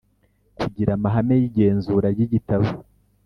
kugira amahame y igenzura ry igitabo